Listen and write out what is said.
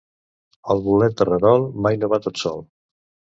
El bolet terrerol mai no va tot sol.